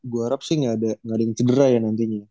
gua harap sih gaada yang cedera ya nantinya